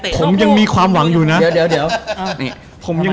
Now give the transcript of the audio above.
ผมยังมีความหวังอยู่นะ